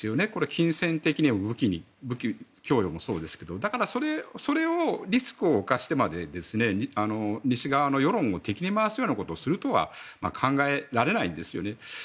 金銭的にも武器供与もそうですけど、そのリスクを冒してまで西側の世論を敵に回すようなことをするとは考えられないですよね。